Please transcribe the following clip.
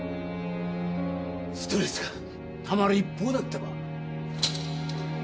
ストレスがたまる一方だったわ。